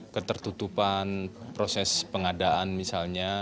ketertutupan proses pengadaan misalnya